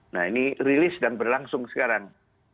nah ini rilis dan berlangsung sekarang